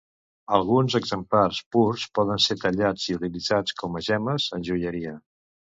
Alguns exemplars purs poden ser tallats i utilitzats com a gemmes en joieria.